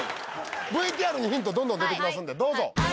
ＶＴＲにヒントどんどん出てきますんでどうぞ。